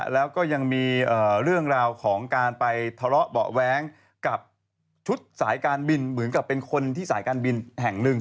แล้วก็ยังมีเรื่องราวของการไปทะเลาะเบาะแว้งกับชุดสายการบินเหมือนกับเป็นคนที่สายการบินแห่งหนึ่ง